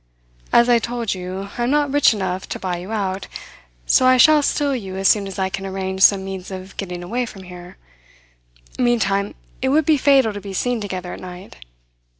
"As I told you, I am not rich enough to buy you out so I shall steal you as soon as I can arrange some means of getting away from here. Meantime it would be fatal to be seen together at night.